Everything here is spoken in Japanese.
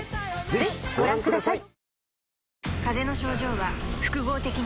ぜひご覧ください。